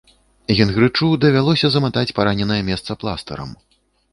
Гінгрычу давялося заматаць параненае месца пластырам.